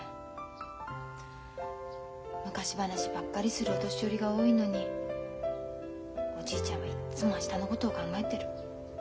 昔話ばっかりするお年寄りが多いのにおじいちゃんはいっつも明日のことを考えてる。